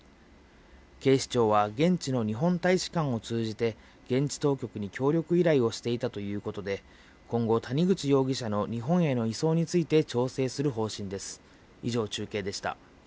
警視庁は、現地の日本大使館を通じて、現地当局に協力依頼をしていたということで、今後、谷口容疑者の日本への移送について調整する方針です。